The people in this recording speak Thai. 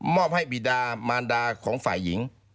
อบให้บีดามารดาของฝ่ายหญิง